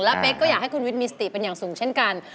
และเป๊กก็อยากให้คุณวิทย์มีสติเป็นอย่างสูงเช่นกัน